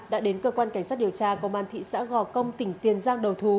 đã đến cơ quan cảnh sát điều tra công an thị xã gò công tỉnh tiền giang đầu thú